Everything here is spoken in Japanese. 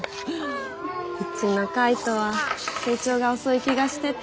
うちの海斗は成長が遅い気がしてて。